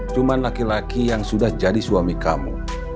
cuma laki laki yang sudah jadi suami kamu